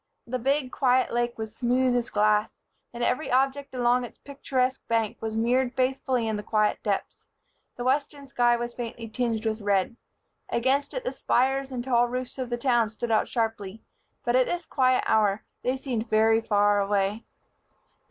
The big, quiet lake was smooth as glass, and every object along its picturesque bank was mirrored faithfully in the quiet depths. The western sky was faintly tinged with red. Against it the spires and tall roofs of the town stood out sharply; but at this quiet hour they seemed very far away.